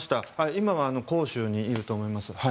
今は広州にいると思います。